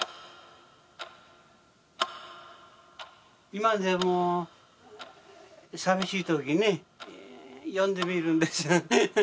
今でも寂しい時ね呼んでみるんです。